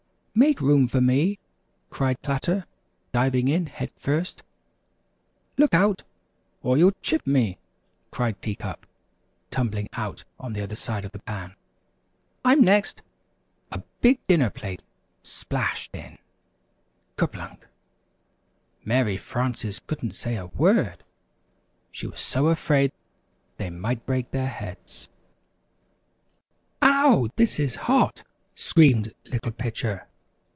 "Make room for me," cried Platter, diving in head first. "Look out, or you'll chip me," cried Tea Cup, tumbling out on the other side of the pan. "I'm next!" a big dinner plate splashed in "kerplunk." [Illustration: "Click, clack! Click ety clack! Splash!"] Mary Frances couldn't say a word she was so afraid they might break their heads. "Ouw! this is hot!" screamed Little Pitcher.